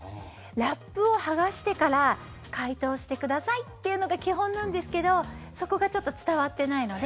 ラップを剥がしてから解凍してくださいっていうのが基本なんですけど、そこがちょっと伝わっていないので。